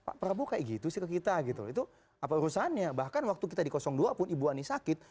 pak prabowo kayak gitu sih ke kita gitu itu apa urusannya bahkan waktu kita di dua pun ibu ani sakit